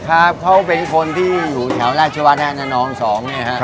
เขาเป็นคนที่อยู่แถวราชวัดนานนอง๒เนี่ยฮะ